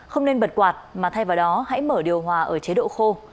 không nên bật quạt mà thay vào đó hãy mở điều hòa ở chế độ khô